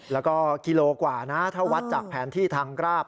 แล้วก็กิโลกว่านะถ้าวัดจากแผนที่ทางราบ